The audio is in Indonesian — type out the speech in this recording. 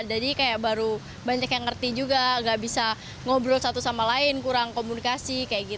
jadi kayak baru banyak yang ngerti juga gak bisa ngobrol satu sama lain kurang komunikasi kayak gitu